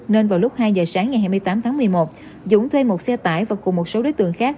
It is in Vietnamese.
nên vào lúc hai giờ sáng ngày hai mươi tám tháng một mươi một dũng thuê một xe tải và cùng một số đối tượng khác